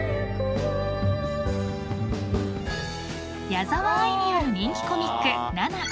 ［矢沢あいによる人気コミック『ＮＡＮＡ』］